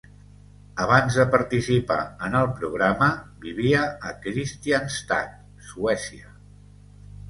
Abans de participar en el programa, vivia a Kristianstad, Suècia.